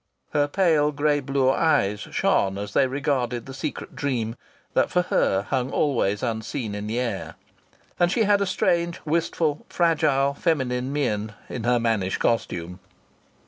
Her pale grey blue eyes shone as they regarded the secret dream that for her hung always unseen in the air. And she had a strange, wistful, fragile, feminine mien in her mannish costume.